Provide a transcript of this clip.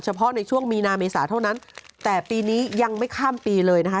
เพาะในช่วงมีนาเมษาเท่านั้นแต่ปีนี้ยังไม่ข้ามปีเลยนะคะ